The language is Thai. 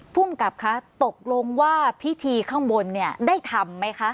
ภูมิกับคะตกลงว่าพิธีข้างบนเนี่ยได้ทำไหมคะ